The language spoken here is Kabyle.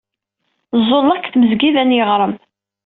Ẓẓulleɣ deg tmesgida n yiɣrem.